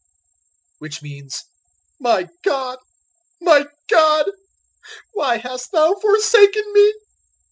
which means, "My God, My God, why hast Thou forsaken me?"